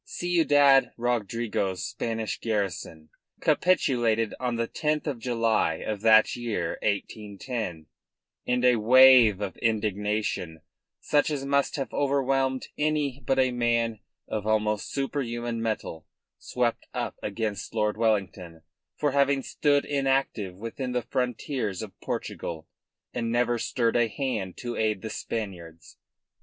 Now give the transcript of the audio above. Ciudad Rodrigo's Spanish garrison capitulated on the 10th of July of that year 1810, and a wave of indignation such as must have overwhelmed any but a man of almost superhuman mettle swept up against Lord Wellington for having stood inactive within the frontiers of Portugal and never stirred a hand to aid the Spaniards.